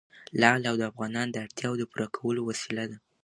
لعل د افغانانو د اړتیاوو د پوره کولو وسیله ده.